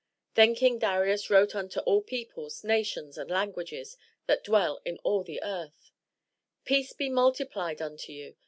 Then King Darius wrote unto all peoples, nations and languages, that dwell in all the earth: "Peace be multiplied unto you!